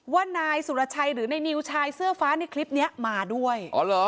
ว่านายสุรชัยหรือนายนิ้วชายเสื้อฟ้าในคลิปนี้มาด้วย